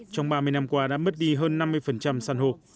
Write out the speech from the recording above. trong ba mươi năm qua đã mất đi hơn năm mươi san hô